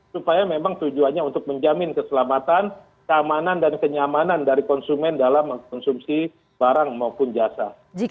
supaya memang tujuannya untuk menjamin keselamatan keamanan dan kenyamanan dari konsumen dalam mengkonsumsi barang maupun jasa